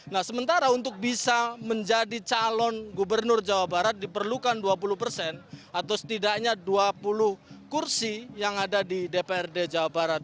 nah sementara untuk bisa menjadi calon gubernur jawa barat diperlukan dua puluh persen atau setidaknya dua puluh kursi yang ada di dprd jawa barat